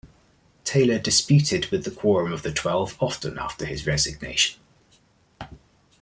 Taylor disputed with the Quorum of the Twelve often after his resignation.